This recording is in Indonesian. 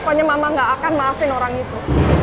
pokoknya mama gak akan maafin orang itu